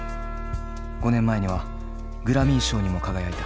５年前にはグラミー賞にも輝いた。